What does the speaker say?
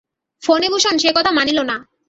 ফণিভূষণ সে কথা মানিল না।